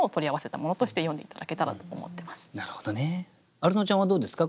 アルノちゃんはどうですか？